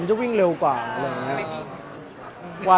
มันจะวิ่งเร็วกว่า